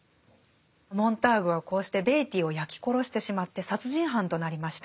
モンターグはこうしてベイティーを焼き殺してしまって殺人犯となりました。